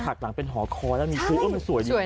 พอถักหลังเป็นหอคอแล้วมีผู้สวยดี